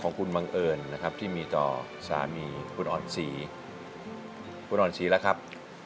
ขอบคุณครับ